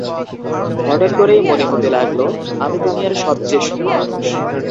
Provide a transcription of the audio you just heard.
হঠাৎ করেই মনে হতে লাগলো আমি দুনিয়ার সবচে সুখী মানুষ।